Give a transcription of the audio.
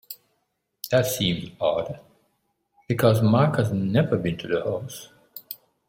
That seems odd because Mark has never been to the house.